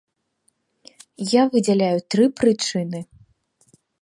Я выдзяляю тры прычыны.